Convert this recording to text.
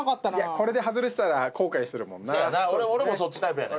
これで外れてたら後悔するもんなそうやんな